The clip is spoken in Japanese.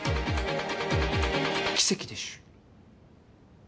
奇跡でしゅ。